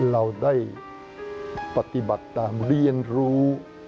เราได้ปฏิบัติตามเรียนรู้